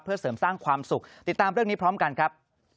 เพื่อเสริมสร้างความสุขติดตามเรื่องนี้พร้อมกันครับ